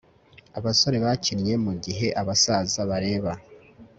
abasore bakinnye mugihe abasaza bareba